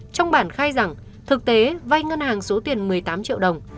trong bản khai rằng thực tế vay ngân hàng số tiền một mươi tám triệu đồng